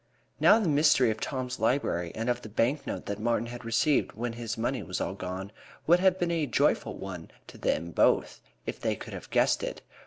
Now, the mystery of Tom's library, and of the bank note that Martin had received when his money was all gone, would have been a very joyful one to them both if they could have guessed it.